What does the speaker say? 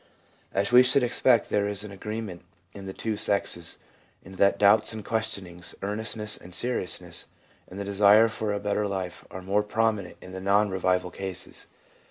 As we should expect, there is agree ment in the two sexes in that doubts and questionings, earnestness and seriousness, and the desire for a better life are more prominent in the non revival cases.